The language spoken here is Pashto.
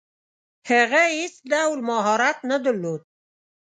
هغه هیڅ ډول مهارت نه درلود.